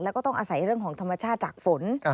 แล้วก็ต้องอาศัยเรื่องของธรรมชาติจากฝน